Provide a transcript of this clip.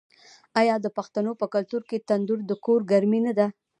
آیا د پښتنو په کلتور کې تندور د کور ګرمي نه ده؟